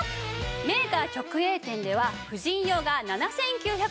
メーカー直営店では婦人用が７９８０円。